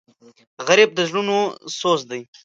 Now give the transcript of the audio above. غریب د زړونو سوز دی